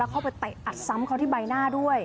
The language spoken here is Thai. เข้าไปเตะอัดซ้ำเขาที่ใบหน้าด้วย